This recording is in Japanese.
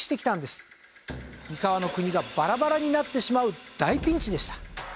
三河の国がバラバラになってしまう大ピンチでした。